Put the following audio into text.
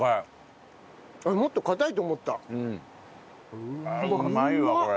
あっうまいわこれ。